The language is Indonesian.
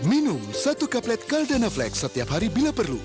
minum satu kaplet caldana flex setiap hari bila perlu